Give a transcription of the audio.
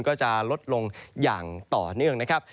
ก็จะลดลงอย่างต่อเนื่องนะครับ